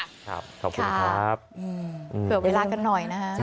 ขอบคุณครับเผื่อเวลากันหน่อยนะฮะ